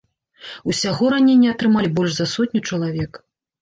Усяго раненні атрымалі больш за сотню чалавек.